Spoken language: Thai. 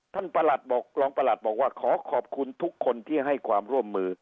ท่านประหลัดบอกว่าขอขอบคุณทุกคนที่ให้ความร่วมมือ